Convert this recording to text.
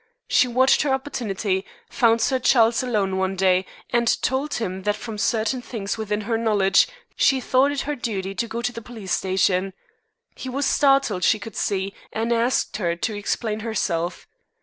She watched her opportunity, found Sir Charles alone one day, and told him that from certain things within her knowledge, she thought it her duty to go to the police station. He was startled, she could see, and asked her to explain herself.